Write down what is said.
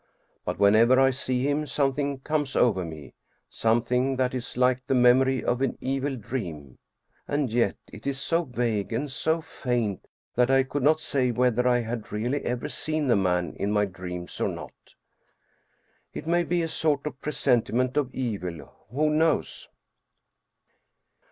But whenever I see him something comes over me, something that is like the mem ory of an evil dream. And yet it is so vague and so faint, that I could not say whether I had really ever seen the man in my dreams or not. It may be a sort of presenti ment of evil ; who knows